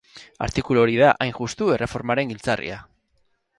Artikulu hori da, hain justu, erreformaren giltzarria.